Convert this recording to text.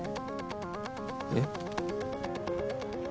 えっ？